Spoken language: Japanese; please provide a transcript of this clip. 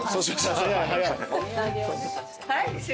早い早い。